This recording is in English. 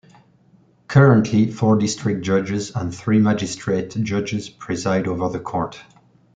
Currently, four district judges and three magistrate judges preside over the court.